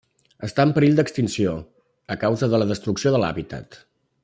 Està en perill d'extinció a causa de la destrucció de l'hàbitat.